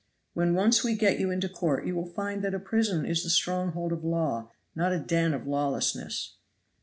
When once we get you into court you will find that a prison is the stronghold of law, not a den of lawlessness."